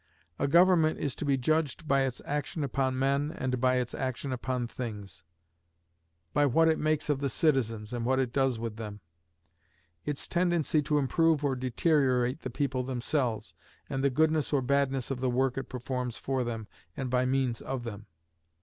A government is to be judged by its action upon men and by its action upon things; by what it makes of the citizens, and what it does with them; its tendency to improve or deteriorate the people themselves, and the goodness or badness of the work it performs for them, and by means of them.